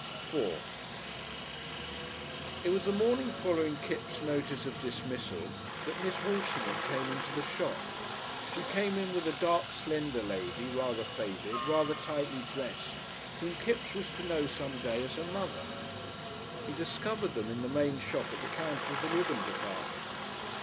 §4 It was the morning following Kipps' notice of dismissal that Miss Walshingham came into the shop. She came in with a dark, slender lady, rather faded, rather tightly dressed, whom Kipps was to know some day as her mother. He discovered them in the main shop at the counter of the ribbon department.